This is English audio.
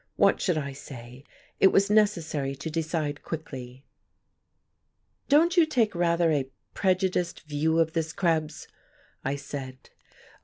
What should I say? It was necessary to decide quickly. "Don't you take rather a prejudiced view of this, Krebs?" I said.